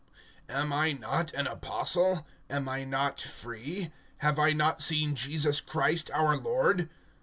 IX. AM I not an apostle? Am I not free? Have I not seen Jesus Christ our Lord?